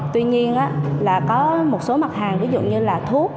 tuy nhiên là có một số mặt hàng ví dụ như là thuốc